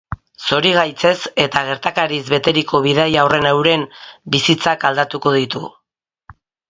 Zorigaitzez eta gertakariz beteriko bidaia horrek euren bizitzak aldatuko ditu.